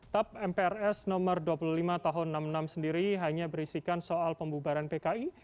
tap mprs nomor dua puluh lima tahun seribu sembilan ratus enam puluh enam sendiri hanya berisikan soal pembubaran pki